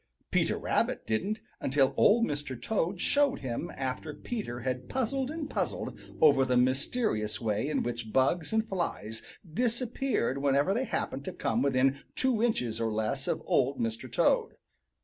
Peter Rabbit didn't until Old Mr. Toad showed him after Peter had puzzled and puzzled over the mysterious way in which bugs and flies disappeared whenever they happened to come within two inches or less of Old Mr. Toad.